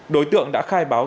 đối tượng đã khai báo